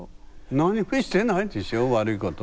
何もしてないでしょ悪いこと。